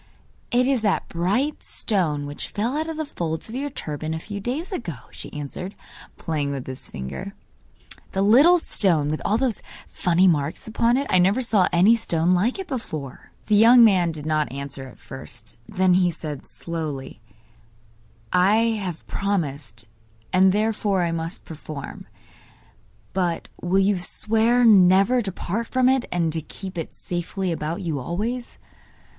'It is that bright stone which fell out of the folds of your turban a few days ago,' she answered, playing with his finger; 'the little stone with all those funny marks upon it. I never saw any stone like it before.' The young man did not answer at first; then he said, slowly: 'I have promised, and therefore I must perform. But will you swear never to part from it, and to keep it safely about you always?